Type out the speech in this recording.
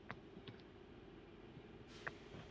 Har yili o‘ynayveradi chiqmasa ham.